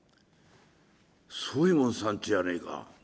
「宗右衛門さんちじゃねえか」。